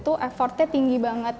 waktu itu effortnya tinggi banget